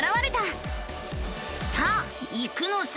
さあ行くのさ！